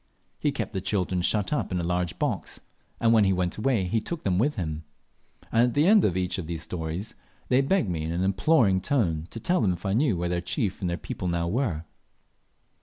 He kept the children shut up in a large box, and when he went away he took them with him. And at the end of each of these stories, they begged me in an imploring tone to tell them if I knew where their chief and their people now were.